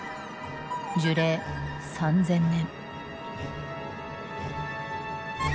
樹齢３，０００年。